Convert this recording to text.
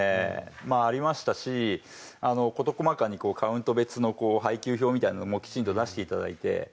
まあありましたし事細かにカウント別の配球表みたいなのもきちんと出していただいて。